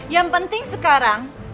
yang penting sekarang